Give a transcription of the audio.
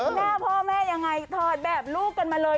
หน้าพ่อแม่ยังไงถอดแบบลูกกันมาเลย